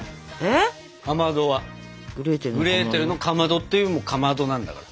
「グレーテルのかまど」っていうもうかまどなんだから。